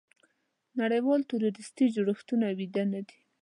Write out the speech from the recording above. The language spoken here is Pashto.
نړیوال تروریستي جوړښتونه ویده نه دي.